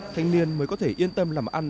thanh niên mới có thể yên tâm làm ăn